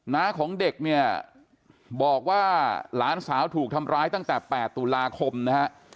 น้าของเด็กเนี่ยบอกว่าหลานสาวถูกทำร้ายตั้งแต่๘ตุลาคมนะฮะ